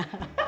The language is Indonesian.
oke itu dia